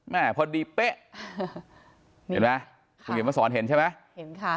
พอดีเป๊ะเห็นไหมคุณเขียนมาสอนเห็นใช่ไหมเห็นค่ะ